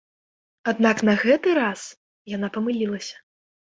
Аднак на гэты раз яна памылілася.